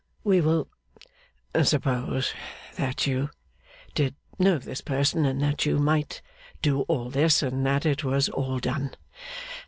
We will suppose that you did know this person, and that you might do all this, and that it was all done.